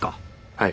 はい。